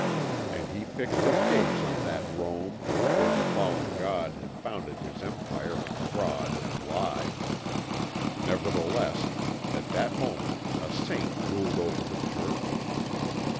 And he fixed his gaze on that Rome where the fallen God had founded his empire on fraud and lie. Nevertheless, at that moment a saint ruled over the Church.